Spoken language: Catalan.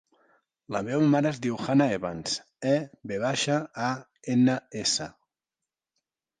La meva mare es diu Hanna Evans: e, ve baixa, a, ena, essa.